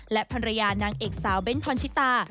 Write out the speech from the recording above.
และภรรยานางเอกสาวเบ้นพรชิตา